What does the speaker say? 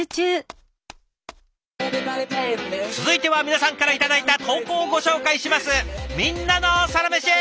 続いては皆さんから頂いた投稿をご紹介します。